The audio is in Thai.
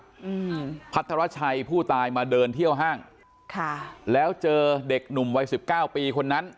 อืมพัทรชัยผู้ตายมาเดินเที่ยวห้างค่ะแล้วเจอเด็กหนุ่มวัยสิบเก้าปีคนนั้น